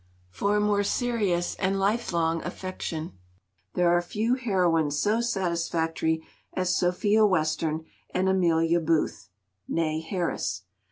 For a more serious and life long affection there are few heroines so satisfactory as Sophia Western and Amelia Booth (née Harris).